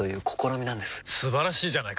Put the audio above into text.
素晴らしいじゃないか！